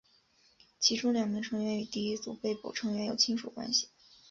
其中两名成员与第一组被捕成员有亲属关系。